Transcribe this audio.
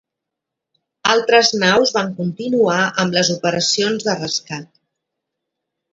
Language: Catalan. Altres naus van continuar amb les operacions de rescat.